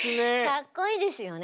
かっこいいですよね。